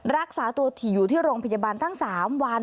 รักษาตัวที่อยู่ที่โรงพยาบาลทั้ง๓วัน